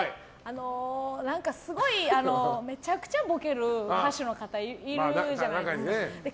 すごいめちゃくちゃボケる歌手の方いるじゃないですか。